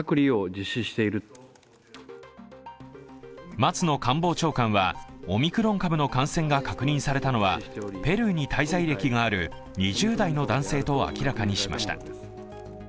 松野官房長官はオミクロン株の感染が確認されたのはペルーに滞在歴がある２０代の男性と明らかにしました。